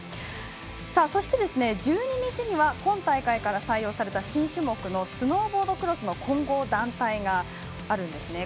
そして、１２日には今大会から採用された新種目のスノーボードクロスの混合団体があるんです。